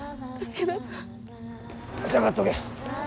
下がっとけ。